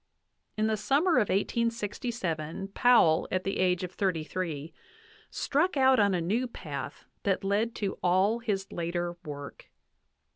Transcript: In the summer of 1867 Powell, at the age of thirty three, struck out on a new path that led to all his later work.